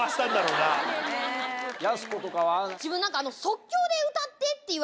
やす子とかは？